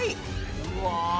うわ！